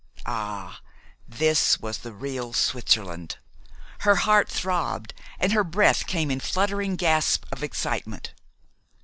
Ah! this was the real Switzerland! Her heart throbbed, and her breath came in fluttering gasps of excitement.